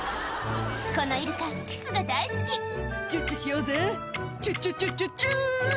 このイルカキスが大好き「チュッチュしようぜチュチュチュチュチュ」